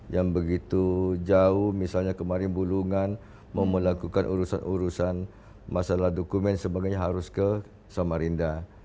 yang begitu jauh misalnya kemarin bulungan melakukan urusan urusan masalah dokumen sebagainya harus ke samarinda